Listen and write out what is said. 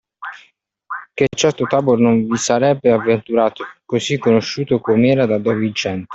Ché certo Tabor non vi si sarebbe avventurato così conosciuto com'era da don Viciente